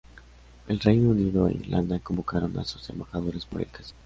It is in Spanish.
El Reino Unido e Irlanda convocaron a sus embajadores por el caso.